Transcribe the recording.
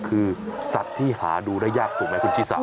คือสัตว์ที่หาดูได้ยากถูกไหมคุณชิสา